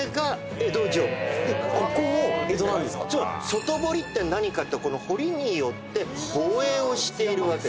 外濠って何かって濠によって防衛をしているわけです。